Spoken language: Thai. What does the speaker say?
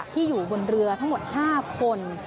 ที่อยู่บนเรือทั้งหมด๕คน